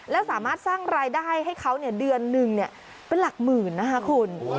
แล้วสามารถสร้างรายได้ให้เขาเดือนหนึ่งเป็นหลักหมื่นนะคะคุณ